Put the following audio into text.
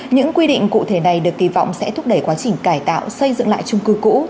những quy định cụ thể này được kỳ vọng sẽ thúc đẩy quá trình cải tạo xây dựng lại trung cư cũ